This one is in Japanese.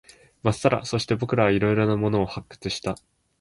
まっさら。そして、僕らは色々なものを発掘した。